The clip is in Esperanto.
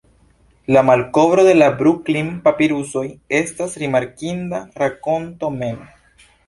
La malkovro de la Bruklin-papirusoj estas rimarkinda rakonto mem.